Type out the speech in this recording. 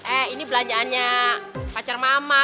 eh ini belanjaannya pacar mama